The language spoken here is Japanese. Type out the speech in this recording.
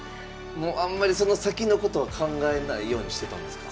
あんまりその先のことは考えないようにしてたんですか？